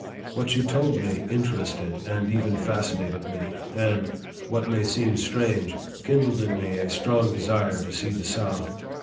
What she told me interested and even fascinated me, and, what may seem strange, kindled in me a strong desire to see the South.